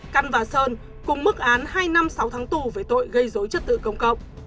căn và sơn cũng mức án hai năm sáu tháng tù với tội gây dối chất tự công cộng